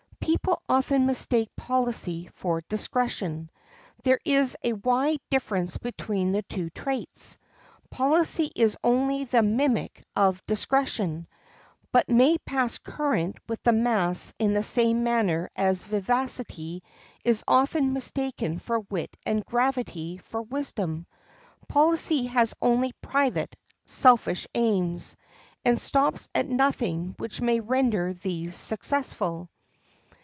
People often mistake policy for discretion. There is a wide difference between the two traits. Policy is only the mimic of discretion, but may pass current with the mass in the same manner as vivacity is often mistaken for wit and gravity for wisdom. Policy has only private, selfish aims, and stops at nothing which may render these successful.